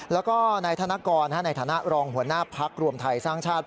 แล้วก็นายธนกรในฐานะรองหัวหน้าพักรวมไทยสร้างชาติ